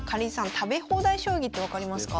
食べ放題将棋って分かりますか？